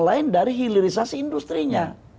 lain dari hilirisasi industri nya